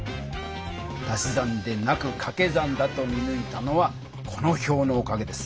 足し算でなくかけ算だと見ぬいたのはこの表のおかげです。